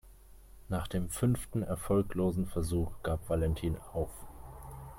Nach dem fünften erfolglosen Versuch gab Valentin auf.